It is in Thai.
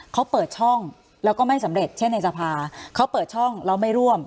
เขาเปิดช่องแล้วก็ไม่สำเร็จเช่นในสภาเขาเปิดช่องแล้วไม่ร่วม